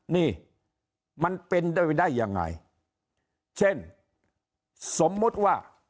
นี่มันเป็นไปได้ยังไงเช่นสมมุติว่า